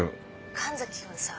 神崎君さ。